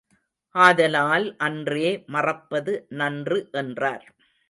ஆதலால், அன்றே மறப்பது நன்று என்றார்.